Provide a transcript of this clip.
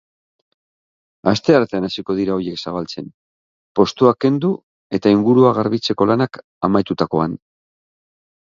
Asteartean hasiko dira horiek zabaltzen, postuak kendu eta ingurua garbitzeko lanak amaitutakoan.